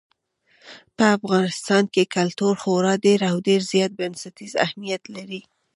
په افغانستان کې کلتور خورا ډېر او ډېر زیات بنسټیز اهمیت لري.